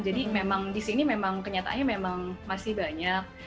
jadi memang di sini kenyataannya memang masih banyak